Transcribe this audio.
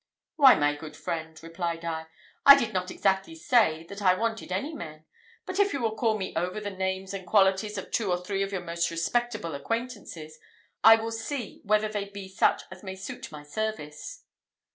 "Why, my good friend," replied I, "I did not exactly say that I wanted any men; but if you will call me over the names and qualities of two or three of your most respectable acquaintances, I will see whether they be such as may suit my service."